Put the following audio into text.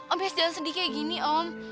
om yos jangan sedih kayak gini om